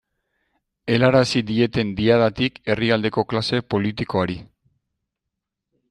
Helarazi dieten Diadatik herrialdeko klase politikoari.